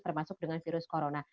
termasuk dengan virus corona